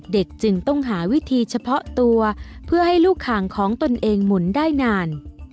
เด็กจึงต้องหาวิธีเฉพาะตัวเพื่อให้ลูกข่างของตนเองหมุนได้นาน